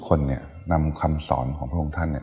คนเนี่ยนำคำสอนของพระองค์ท่านเนี่ย